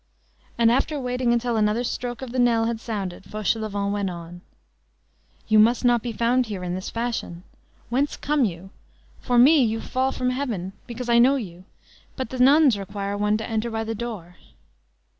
And after waiting until another stroke of the knell had sounded, Fauchelevent went on:— "You must not be found here in this fashion. Whence come you? For me, you fall from heaven, because I know you; but the nuns require one to enter by the door."